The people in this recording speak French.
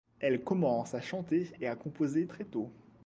Elle commence à chanter et à composer très tôt.